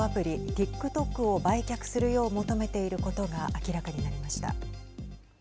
ＴｉｋＴｏｋを売却するよう求めていることが明らかになりました。